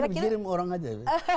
kirim orang saja